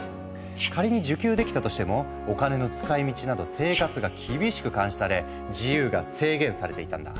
仮に受給できたとしてもお金の使いみちなど生活が厳しく監視され自由が制限されていたんだ。